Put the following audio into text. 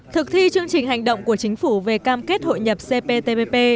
thực thi chương trình hành động của chính phủ về cam kết hội nhập cptpp